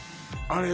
あれ